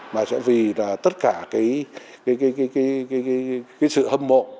mà sẽ vì là tất cả cái cái cái cái cái cái sự hâm mộ